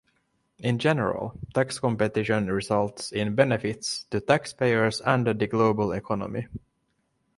In general tax competition results in benefits to taxpayers and the global economy.